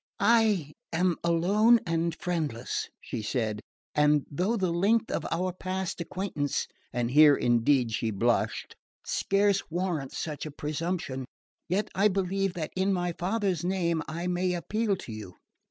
"I am alone and friendless," she said, "and though the length of our past acquaintance" (and here indeed she blushed) "scarce warrants such a presumption, yet I believe that in my father's name I may appeal to you.